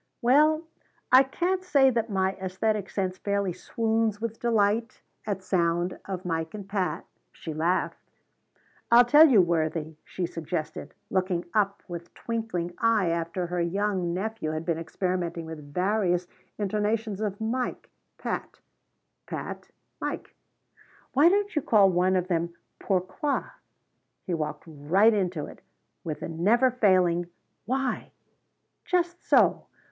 "Well, I can't say that my esthetic sense fairly swoons with delight at sound of Mike and Pat," she laughed. "I'll tell you, Worthie," she suggested, looking up with twinkling eye after her young nephew had been experimenting with various intonations of Mike Pat, Pat Mike, "why don't you call one of them Pourquoi?" He walked right into it with the never failing "Why?" "Just so.